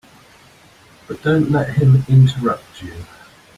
But don't let him interrupt you.